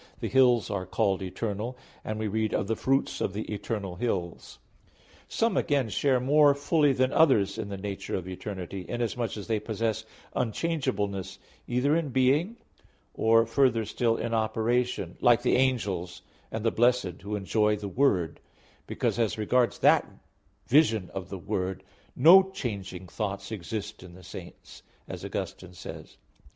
75:5) the hills are called "eternal" and we read "of the fruits of the eternal hills." (Deut. 33:15). Some again, share more fully than others in the nature of eternity, inasmuch as they possess unchangeableness either in being or further still in operation; like the angels, and the blessed, who enjoy the Word, because "as regards that vision of the Word, no changing thoughts exist in the Saints," as Augustine says (De Trin.